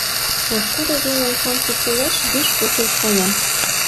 Пошкудо вел омсам шупшылеш — виш почылт кая.